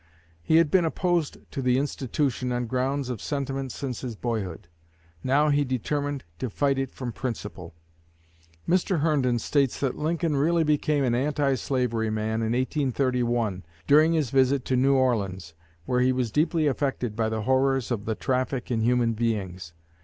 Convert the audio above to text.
He had been opposed to the institution on grounds of sentiment since his boyhood; now he determined to fight it from principle. Mr. Herndon states that Lincoln really became an anti slavery man in 1831, during his visit to New Orleans, where he was deeply affected by the horrors of the traffic in human beings.